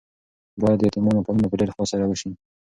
باید د یتیمانو پالنه په ډیر اخلاص سره وشي.